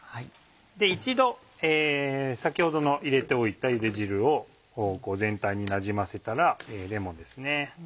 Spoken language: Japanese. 一度先ほどの入れておいたゆで汁を全体になじませたらレモンですね。